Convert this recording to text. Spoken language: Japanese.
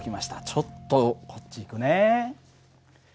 ちょっとこっち行くね。